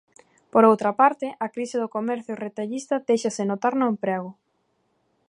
Por outra parte, a crise do comercio retallista déixase notar no emprego.